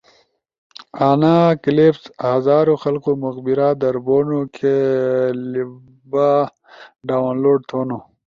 آنا کپلس پزاروں خلخو مقبرہ در بونو کی لبا ڈاؤن لوڈ تھونو۔